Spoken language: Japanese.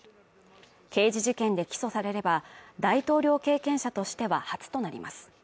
刑事事件で起訴されれば大統領経験者としては初となります。